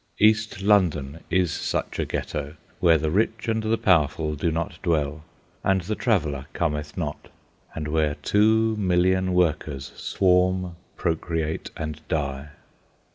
East London is such a ghetto, where the rich and the powerful do not dwell, and the traveller cometh not, and where two million workers swarm, procreate, and die.